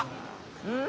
うん？